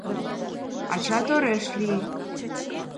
Ача тореш лие.